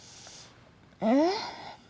えっ？